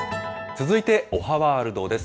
続いて、おはワールドです。